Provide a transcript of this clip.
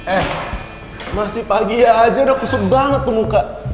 eh masih pagi aja udah pesen banget tuh muka